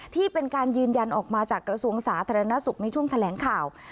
ที่เป็นการยืนยันออกมาจากกระทรวงสาธารณสุขในช่วงแถลงข่าว